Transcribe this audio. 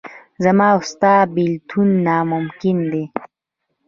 زما او ستا بېلتون ناممکن دی.